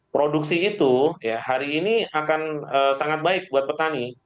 produksi itu hari ini akan sangat baik buat petani